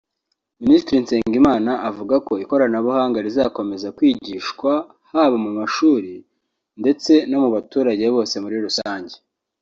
Minisitiri Nsengimana avuga ko ikoranabuhanga rizakomeza kwigishwa haba mu mashuri ndetse no mu baturage bose muri rusange